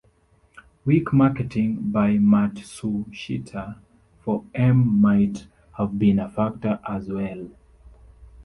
Weak marketing by Matsushita for M might have been a factor as well.